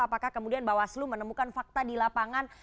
apakah kemudian bawaslu menemukan fakta di lapangan